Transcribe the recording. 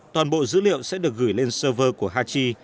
toàn bộ dữ liệu sẽ được gửi lên server của hachi